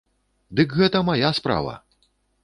Дык гэта мая справа!